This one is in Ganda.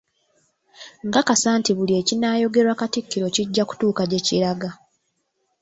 Nkakasa nti buli ekinaayogerwa Katikkiro kijja kutuuka gye kiraga